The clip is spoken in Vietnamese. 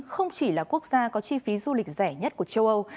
không chỉ là quốc gia có chi phí du lịch rẻ nhất của châu âu